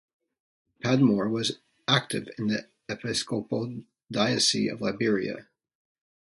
Padmore was active in the Episcopal Diocese of Liberia.